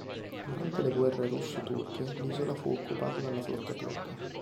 Durante le guerre russo-turche l'isola fu occupata dalla flotta turca.